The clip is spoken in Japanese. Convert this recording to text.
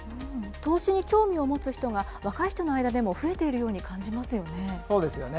投資に興味を持つ人が、若い人の間でも増えているように感じそうですよね。